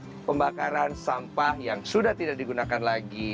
untuk pembakaran sampah yang sudah tidak digunakan lagi